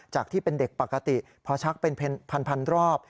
ที่เป็นเด็กปกติพอชักเป็นพันรอบ